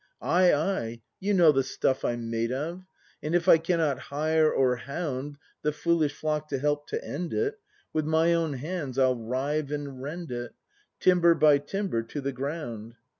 Ay, ay— you know the stuff I'm made of! And if I cannot hire or hound The foolish flock to help to end it. With my own hands I'll rive and rend it, Timber by timber, to the ground.